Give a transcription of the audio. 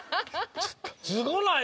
すごない？